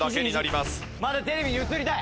まだテレビに映りたい！